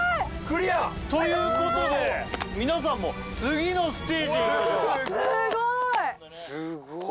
クリア！ということで皆さんも次のステージへ行きましょううわすごい！